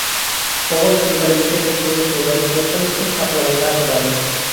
ئوغۇل قىزلىرىمىزنى تۇيۇق يولغا كىرىپ قېلىشتىن ساقلىغايلا خۇدايىم!